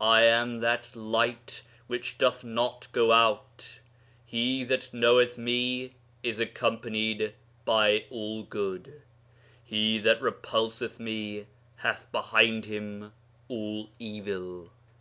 I am that Light which doth not go out. He that knoweth Me is accompanied by all good; he that repulseth Me hath behind him all evil.'